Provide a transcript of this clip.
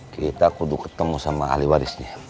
kita kudu ketemu sama ahli warisnya